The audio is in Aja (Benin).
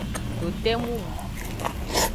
Dote mumu.